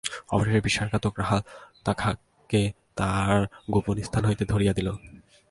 অবশেষে বিশ্বাসঘাতক রাখাল তাহাকে তাহার গোপন স্থান হইতে ধরাইয়া দিল।